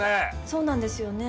そうなんですよね。